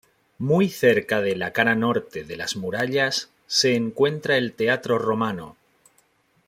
Muy cerca de la cara norte de las murallas se encuentra el teatro romano.